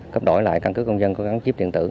cấp đổi lại căn cức công dân có gắn chiếc điện tử